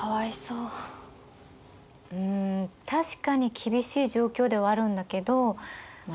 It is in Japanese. うん確かに厳しい状況ではあるんだけどま